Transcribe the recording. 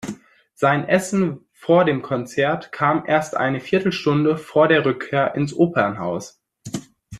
Sein Essen vor dem Konzert kam erst eine Viertelstunde vor der Rückkehr ins Opernhaus.